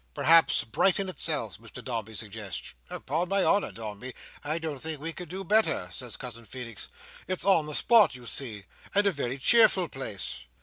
"Perhaps Brighton itself," Mr Dombey suggests. "Upon my honour, Dombey, I don't think we could do better," says Cousin Feenix. "It's on the spot, you see, and a very cheerful place."